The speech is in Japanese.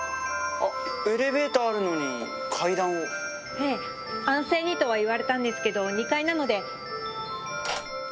ええ安静にとは言われたんですけど２階なので。